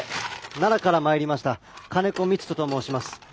奈良から参りました金子道人と申します。